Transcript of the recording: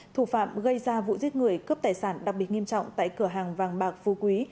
thủ phạm gây ra vụ giết người cướp tài sản đặc biệt nghiêm trọng tại cửa hàng vàng bạc phu quý